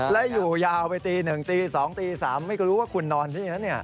และอยู่ยาวไปตี๑ตี๒ตี๓ไม่รู้ว่าคุณนอนที่แล้วเนี่ย